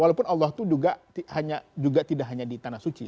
walaupun allah itu juga tidak hanya di tanah suci